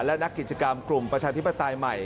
และนักกิจกรรมกลุ่มประชาธิปไตยใหม่